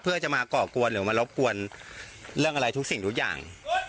เพื่อจะมาก่อกวนหรือมารบกวนเรื่องอะไรทุกสิ่งทุกอย่าง